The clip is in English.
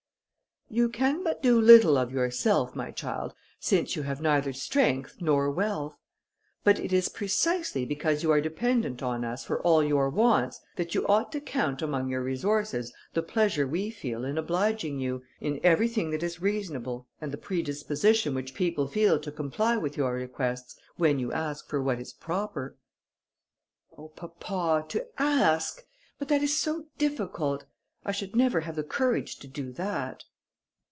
"You can do but little of yourself, my child, since you have neither strength, nor wealth; but it is precisely because you are dependent on us for all your wants, that you ought to count among your resources the pleasure we feel in obliging you, in everything that is reasonable, and the predisposition which people feel to comply with your requests, when you ask for what is proper." "Oh papa, to ask! but that is so difficult. I should never have the courage to do that."